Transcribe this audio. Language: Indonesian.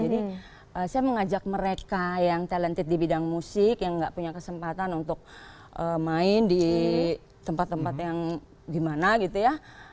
saya mengajak mereka yang talented di bidang musik yang nggak punya kesempatan untuk main di tempat tempat yang gimana gitu ya